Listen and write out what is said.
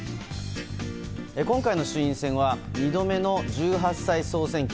今回の衆院選は２度目の１８歳総選挙。